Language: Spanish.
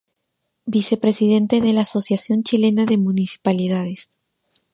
Vicepresidente de la Asociación Chilena de Municipalidades.